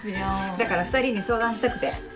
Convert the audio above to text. だから２人に相談したくて。